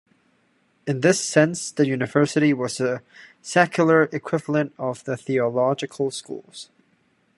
In this sense the university was the secular equivalent of the Theological Schools.